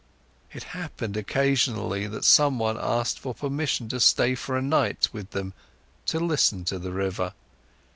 It happened occasionally that someone asked for permission to stay for a night with them to listen to the river.